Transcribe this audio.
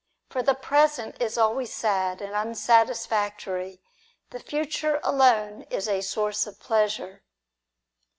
For the present is always sad and unsatisfactory ; the future alone is a source of pleasure.